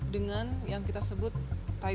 dengan yang kita sebut kaitan